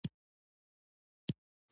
د پلار مرستې ته اړتیا تل وي.